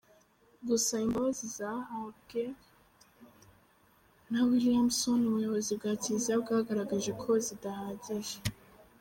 Gusa imbabazi zasabwe na Williamson ubuyobozi bwa kiriziya bwagaragaje ko “zidahagije”.